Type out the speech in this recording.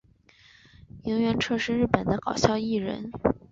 萤原彻是日本的搞笑艺人。